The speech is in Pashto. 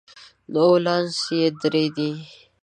نو ولانس یې درې دی.